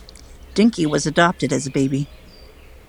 Dinky was adopted as a baby.